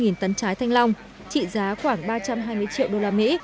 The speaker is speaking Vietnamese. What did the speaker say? gần năm trăm linh tấn trái thanh long trị giá khoảng ba trăm hai mươi triệu usd